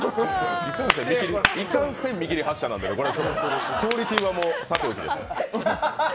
いかんせん見切り発車なんでクオリティーはさておきです。